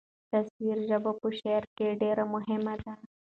تصویري ژبه په شعر کې ډېره مهمه ده.